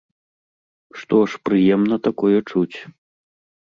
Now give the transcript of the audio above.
Што ж прыемна такое чуць!